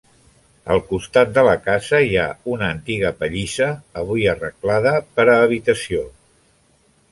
Al costat de la casa hi ha una antiga pallissa, avui arreglada per a habitació.